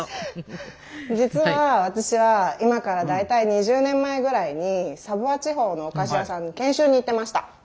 実は私は今から大体２０年前ぐらいにサヴォワ地方のお菓子屋さんに研修に行ってました。